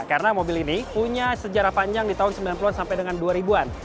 karena mobil ini punya sejarah panjang di tahun sembilan puluh an sampai dengan dua ribu an